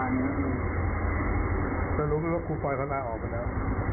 อารมณ์รู้มั้ยว่าครูปอยเข้ามาออกมาเนี่ย